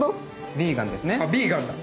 ヴィーガンだ。